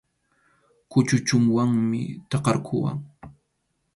Kuchuchunwanmi takarquwan.